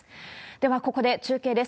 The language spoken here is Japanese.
では、ここで中継です。